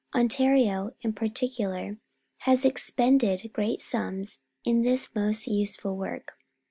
Ontario, in particular, has expended great .simis in this most useful work.